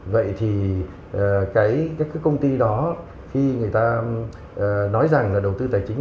vậy thì cái công ty đó khi người ta nói rằng là đầu tư tài chính